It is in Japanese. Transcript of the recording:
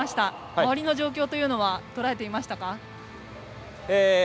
周りの状況というのはとらえていましたか。